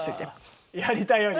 やりたいように。